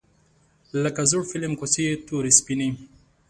لکه زوړ فیلم کوڅې یې تورې سپینې